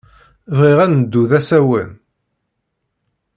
Bɣiɣ ad neddu d asawen.